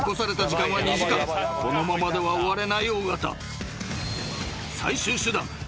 ［このままでは終われない尾形］